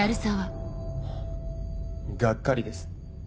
ハァがっかりです。